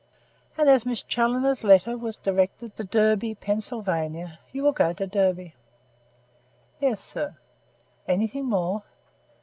"And as Miss Challoner's letter was directed to Derby, Pennsylvania, you will go to Derby." "Yes, sir." "Anything more?"